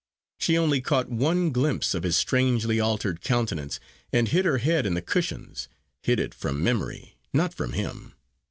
She only caught one glimpse of his strangely altered countenance, and hid her head in the cushions hid it from memory, not from him.